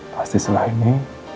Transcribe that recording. pasti setelah ini